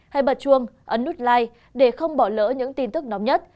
hãy bật chuông ấn nút like để không bỏ lỡ những tin tức nóng nhất